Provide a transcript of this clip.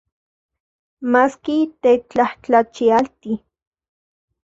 Maski tetlajtlachialti.